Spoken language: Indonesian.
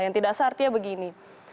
yang tidak sah artinya begini